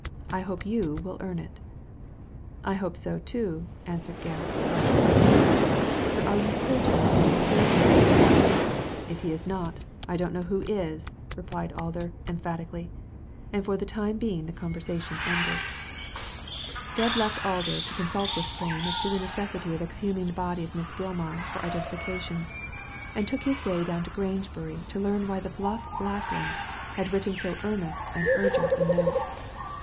I hope you will cam it" " I hope so, too," answered Gebb, much pleased ; "but you are certain that Dean is guilty ?"•^ Jf he is not, I don't l^now who is," replied Alder, Digitized by Google I2S THE LADY FROM NOWHERE emphatically ; and for the time being the conversation ended. Gebb left Alder to consult with Prain as to the necessity of exhuming the body of Miss Gilmar for identification, and took his way down to Grange bury to learn why the bluff Lackland had written so earnest and urgent a note.